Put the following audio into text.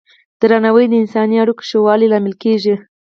درناوی د انساني اړیکو ښه والي لامل کېږي.